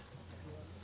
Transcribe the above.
pak perangkat apa